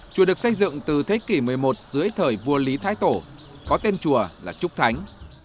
chùa được xây dựng từ thế kỷ một mươi một dưới thời vua lý thái tổ có tên chùa là trúc thánh